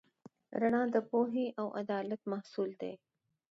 رڼا د پوهې او عدالت محصول ده.